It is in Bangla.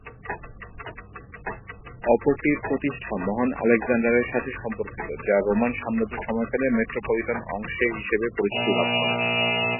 অপরটির প্রতিষ্ঠা মহান আলেকজান্ডারের সাথে সম্পর্কিত, যা রোমান সাম্রাজ্য সময়কালে মেট্রোপলিটন অংশে হিসেবে পরিচিতি লাভ করে।